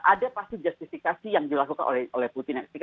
ada pasti justifikasi yang dilakukan oleh putin